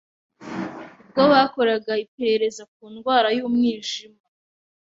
ubwo bakoraga iperereza ku ndwara y'umwijima